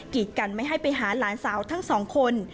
ีดกันไม่ให้ไปหาหลานสาวทั้งสองคน